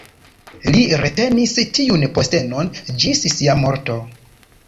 Li retenis tiun postenon ĝis sia morto.